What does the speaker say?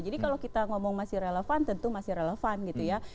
jadi kalau kita ngomong masih relevan tentu masih relevan gitu ya